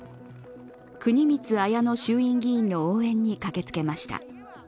国光文乃衆院議員の応援に駆けつけました。